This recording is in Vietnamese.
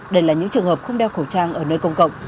đây là những trường hợp không đeo khẩu trang ở nơi công cộng